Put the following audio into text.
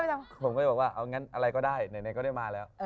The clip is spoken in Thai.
ผมก็เลยบอกว่าเอางั้นอะไรก็ได้ไหนก็ได้มาแล้ว